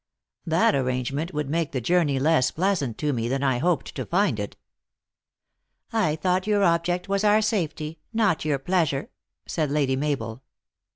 "That arrangement would make the journey less pleasant to me than I hoped to find it." " I thought your object was our safety, not your pleasure," said Lady Mabel.